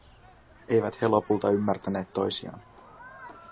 Eivät he lopulta ymmärtäneet toisiaan.